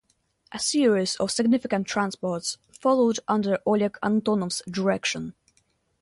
A series of significant transports followed under Oleg Antonov's direction.